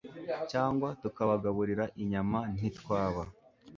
cyangwa tukabagaburira inyama ntitwaba